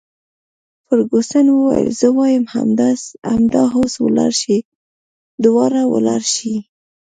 فرګوسن وویل: زه وایم همدا اوس ولاړ شئ، دواړه ولاړ شئ.